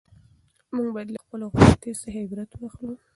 موږ باید له خپلو غلطیو څخه عبرت واخلو.